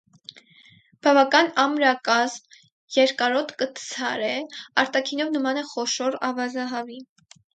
Բավական ամրակազմ, երկարոտ կտցար է, արտաքինով նման է խոշոր ավազահավի։